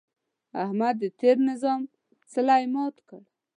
احمد د تېر نظام څلی مات کړ.